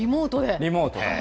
リモートで。